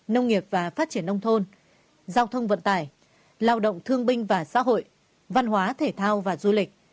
nông nghiệp và phát triển nông thôn giao thông vận tải lao động thương binh và xã hội văn hóa thể thao và du lịch